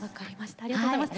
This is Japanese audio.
ありがとうございます。